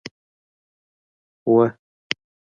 وه